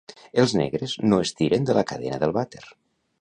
Els negres no estiren de la cadena del water